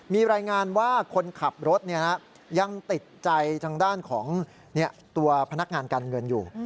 มีรายงานว่าคนขับรถยังติดใจทางด้านของตัวพนักงานการเงินอยู่